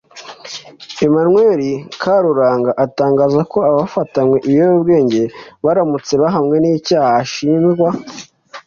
Emmanuel Karuranga atangaza ko abafatanywe ibiyobyabwenge baramutse bahamwe n’icyaha ashinjwa